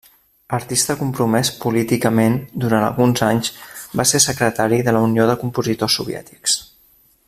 Artista compromès políticament, durant alguns anys va ser secretari de la Unió de Compositors Soviètics.